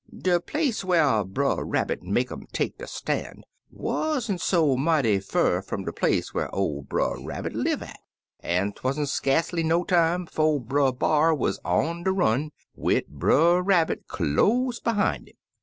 ^ "De place whar Brer Rabbit make lun take der stan' wa'n't so mighty fur fum de place whar ol' Brer B'ar live at, an' 'twa'n't skacely no time 'fo' Brer B'ar wuz on de run, wid Brer Rabbit close behime 'im.